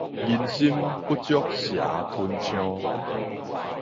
人心不足蛇吞象